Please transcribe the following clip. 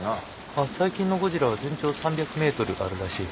あっ最近のゴジラは全長３００ｍあるらしい。